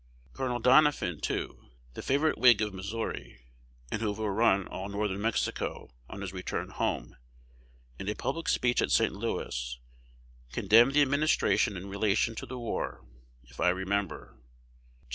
Col. Donaphin, too, the favorite Whig of Missouri, and who overrun all Northern Mexico, on his return home, in a public speech at St. Louis, condemned the administration in relation to the war, if I remember.